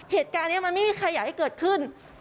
เหตุการณ์นี้มันไม่มีใครอยากให้เกิดขึ้น